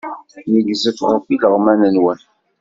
Negzet ɣef ileɣman-nwen.